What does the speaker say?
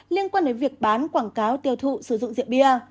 liên quan đến việc bán quảng cáo tiêu thụ sử dụng rượu bia